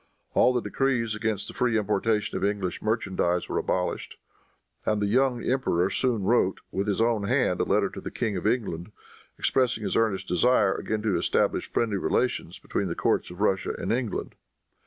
All the decrees against the free importation of English merchandise were abolished; and the young emperor soon wrote, with his own hand, a letter to the King of England, expressing his earnest desire again to establish friendly relations between the courts of Russia and England.